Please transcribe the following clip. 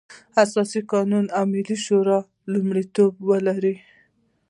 اساسي قانون او ملي شورا لومړيتوب ولري.